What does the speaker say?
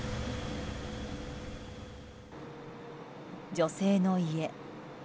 女性の家。